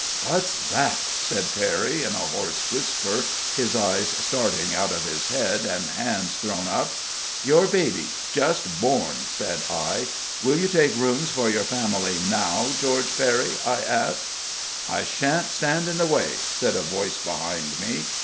"What's that?" said Perry, in a hoarse whisper, his eyes starting out of his head, and hands thrown up. "Your baby just born," said I. "Will you take rooms for your family now, George Perry?" I asked. "I sha'n't stand in the way," said a voice behind me.